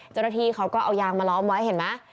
เจ้าหน้าที่เขาก็เอายางมาล้อมไว้เห็นไหม